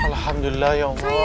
alhamdulillah ya allah